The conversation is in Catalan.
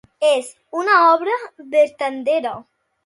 És una obra vertadera?